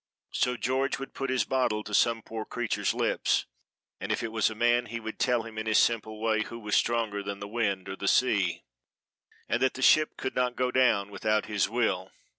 So George would put his bottle to some poor creature's lips, and if it was a man he would tell him in his simple way Who was stronger than the wind or the sea, and that the ship could not go down without His will.